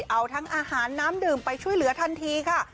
เอาทั้งอาหารน้ำดื่มไปช่วยเหลือทันทีค่ะ